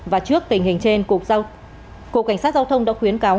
và trước tình hình trên cục cảnh sát giao thông đã khuyến cáo